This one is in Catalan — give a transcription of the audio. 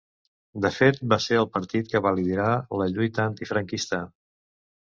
De fet, va ser el partit que va liderar la lluita antifranquista.